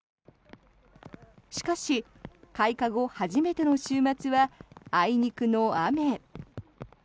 しかし、開花後初めての週末はあいにくの雨。